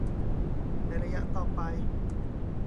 ในระยะต่อไป